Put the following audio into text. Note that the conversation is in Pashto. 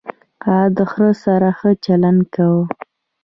هغه د خر سره ښه چلند کاوه.